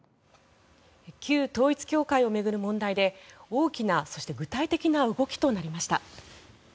旧統一教会を巡る問題で大きな、そして具体的な動きとなりました。